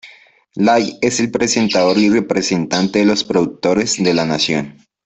Lay es el presentador y representante de los productores de la nación.